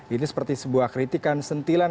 ini seperti sebuah kritikan sentilan